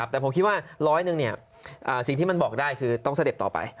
แต่ผมคิดว่าร้อยหนึ่งสิ่งที่มันบอกได้คือต้องเสด็จต่อไป